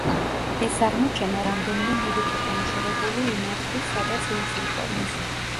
ეს აღმოჩენა რამდენიმე მილით იყო მოშორებული იმ ადგილს სადაც „ლუსი“ იპოვნეს.